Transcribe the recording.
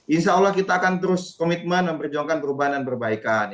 insya allah kita akan terus komitmen memperjuangkan perubahan dan perbaikan